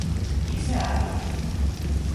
Είσαι Άγγλος;